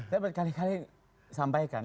saya berkali kali sampaikan